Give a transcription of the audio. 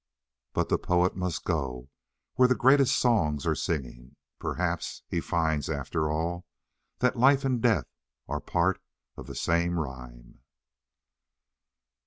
But the poet must go where the greatest songs are singing. Perhaps he finds, after all, that life and death are part of the same rhyme.